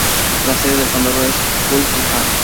La sede del condado es Guildhall.